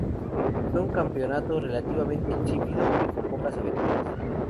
Fue un campeonato relativamente insípido y con pocas aventuras.